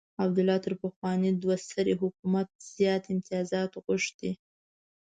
عبدالله تر پخواني دوه سري حکومت زیات امتیازات غوښتي.